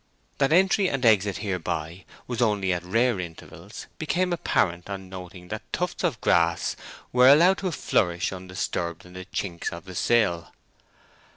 That entry and exit hereby was only at rare intervals became apparent on noting that tufts of grass were allowed to flourish undisturbed in the chinks of the sill.